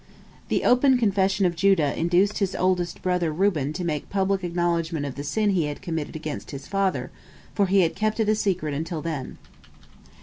" The open confession of Judah induced his oldest brother Reuben to make public acknowledgment of the sin he had committed against his father, for he had kept it a secret until then.